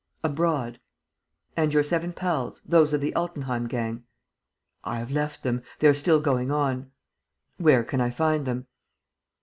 "Abroad." "And your seven pals, those of the Altenheim gang?" "I have left them. They are still going on." "Where can I find them?"